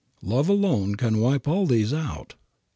Love alone can wipe all these out.